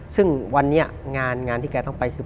ซึ่งวันนี้งานที่แกต้องไปคือ